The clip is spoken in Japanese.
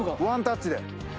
ワンタッチで。